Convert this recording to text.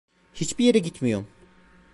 Hiçbir yere gitmiyorum.